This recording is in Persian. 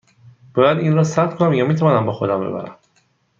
باید این را ثبت کنم یا می توانم با خودم ببرم؟